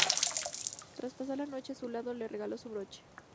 Tras pasar la noche a su lado, le regaló su broche.